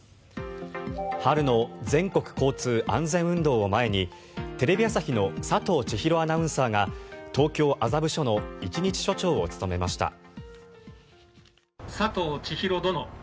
春の全国交通安全運動を前にテレビ朝日の佐藤ちひろアナウンサーが東京・麻布署の一日署長を務めました。